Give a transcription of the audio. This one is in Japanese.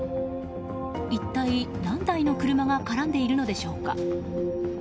一体、何台の車が絡んでいるのでしょうか。